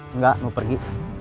enggak mau pergi